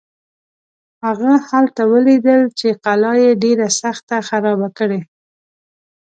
هغه هلته ولیدل چې قلا یې ډېره سخته خرابه کړې.